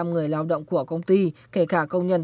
người lao động của công ty kể cả công nhân